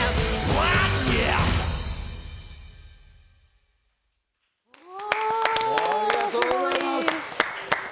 ありがとうございます！